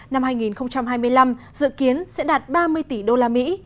năm hai nghìn hai mươi năm dự kiến sẽ đạt ba mươi tỷ đô la mỹ